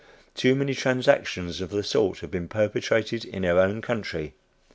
Too many transactions of the sort have been perpetrated in our own country.